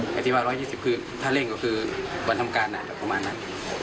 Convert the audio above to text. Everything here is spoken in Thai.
หมายถึง๑๒๐วันถ้าเร่งก็คือวันทำการนะประมาณนั้น